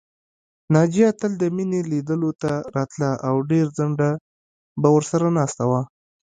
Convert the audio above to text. ناجیه تل د مينې لیدلو ته راتله او ډېر ځنډه به ورسره ناسته وه